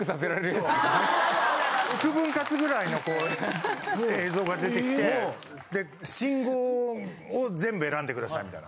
６分割くらいの映像が出てきてで信号を全部選んでくださいみたいな。